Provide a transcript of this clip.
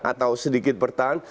atau sedikit bertahan